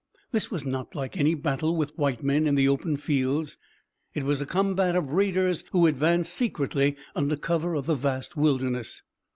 This was not like any battle with white men in the open fields. It was a combat of raiders who advanced secretly under cover of the vast wilderness.